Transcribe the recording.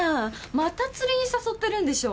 また釣りに誘ってるんでしょ。